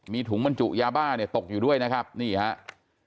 มีถุงมันจุยาบ้าตกอยู่ด้วยนะครับนี่ครับ